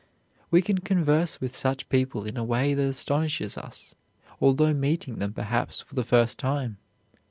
We can converse with such people in a way that astonishes us, although meeting them, perhaps, for the first time.